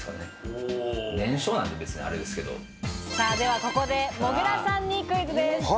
ではここで、もぐらさんにクイズです。